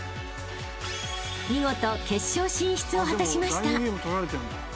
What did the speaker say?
［見事決勝進出を果たしました］